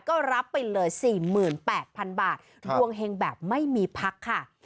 ก็รับไปเลย๔๘๐๐๐บาทดวงเฮงแบบไม่มีพักค่ะ